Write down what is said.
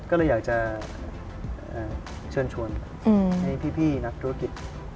ก็เลยอยากจะเชิญชวนให้พี่นักธุรกิจ